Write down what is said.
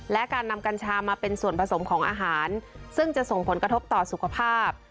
และการนำกัญชามาเป็นส่วนผสมของอาหารซึ่งจะส่งผลกระทบต่อสุขภาพ